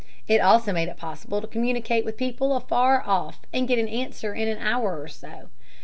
It also made it possible to communicate with people afar off and get an answer in an hour or so.